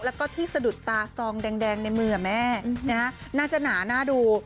แล้วก็ที่สะดุดตาซองแดงในมือแม่น่าจะหนาน่าดู